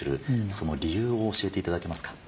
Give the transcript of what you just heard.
その理由を教えていただけますか？